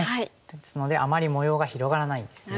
ですのであまり模様が広がらないんですね。